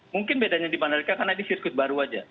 mungkin bedanya di mandalika karena ini sirkuit baru aja